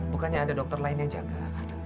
bukannya ada dokter lain yang jaga